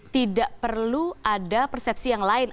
tidak perlu ada persepsi yang lain